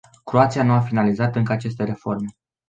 Croația nu a finalizat încă aceste reforme.